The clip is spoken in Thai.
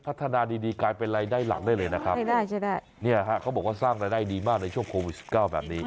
พัฒนาดีกลายเป็นรายได้หลังได้เลยนะครับเขาบอกว่าสร้างรายได้ดีมากในช่วงโควิด๑๙แบบนี้